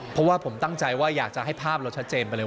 เพราะว่าผมตั้งใจว่าอยากจะให้ภาพเราชัดเจนไปเลย